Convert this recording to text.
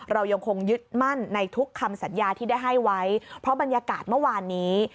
เรายังคงยึดมั่นในทุกคำสัญญาที่ได้ให้ไว้เพราะบรรยากาศเมื่อวานนี้